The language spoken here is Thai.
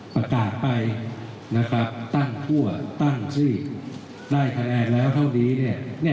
ประกาศไปนะครับตั้งคั่วตั้งชื่อได้คะแนนแล้วเท่านี้